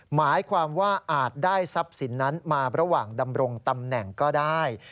หมายความว่าอาจได้ทรัพย์สินนั้นมาระหว่างดำรงตำแหน่งก็ได้